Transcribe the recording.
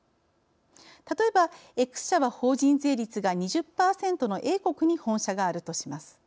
例えばＸ社は法人税率が２０％のＡ国に本社があるとします。